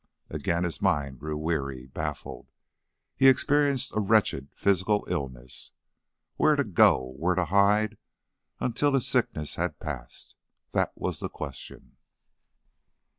Again his mind grew weary, baffled; he experienced a wretched physical illness... Where to go, where to hide until his sickness had passed? That was the question.